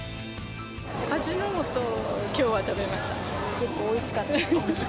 味の素のをきょうは食べましおいしかった。